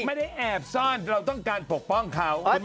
ไม่ได้แอบซ่อนเราต้องการปกป้องเขา